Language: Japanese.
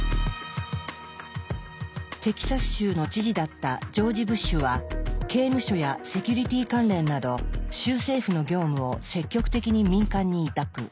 テキサス州の知事だったジョージ・ブッシュは刑務所やセキュリティ関連など州政府の業務を積極的に民間に委託。